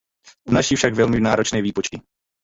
Obnáší však velmi náročné výpočty.